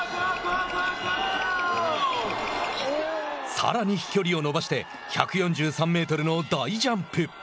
さらに飛距離を伸ばして１４３メートルの大ジャンプ。